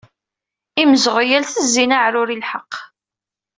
Imzeɣyal tezzin aɛrur i lḥeq!